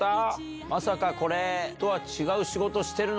まさかこれとは違う仕事してるの？